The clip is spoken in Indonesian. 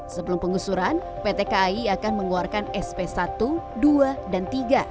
sebelum pengusuran pt kai akan mengeluarkan sp satu dua dan tiga